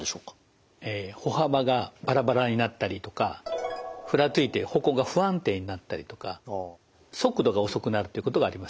歩幅がバラバラになったりとかふらついて歩行が不安定になったりとか速度が遅くなるということがありますね。